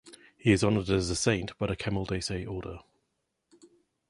He is honored as a saint by the Camaldolese Order.